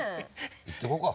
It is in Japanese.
行ってこようか。